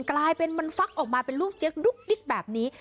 กลายเป็นมันฟักออกมาเป็นลูกเจ๊ยโผแบบนี้